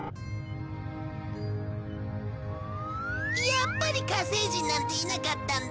やっぱり火星人なんていなかったんだ。